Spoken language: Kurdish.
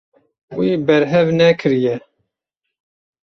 Wî berhev nekiriye.